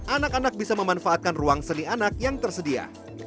anak anak bisa memanfaatkan ruang seni anak yang tersedia